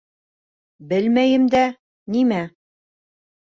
Белмәйем дә, нимә...